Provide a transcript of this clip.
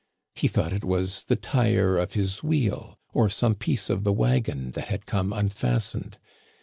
He thought it was the tire of his wheel, or some piece of the wagon, that had come unfastened.